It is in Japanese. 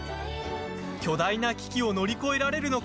巨大な危機を乗り越えられるのか。